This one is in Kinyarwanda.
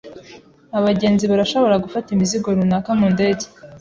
Abagenzi barashobora gufata imizigo runaka mu ndege.